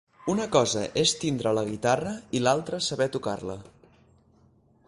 Una cosa és tindre la guitarra i l'altra saber tocar-la.